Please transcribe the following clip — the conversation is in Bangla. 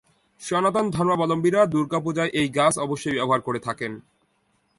সনাতন ধর্মাবলম্বীরা দুর্গাপূজায় এই গাছ অবশ্যই ব্যবহার করে থাকেন।